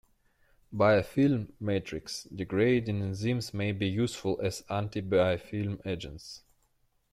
Biofilm matrix degrading enzymes may be useful as anti-biofilm agents.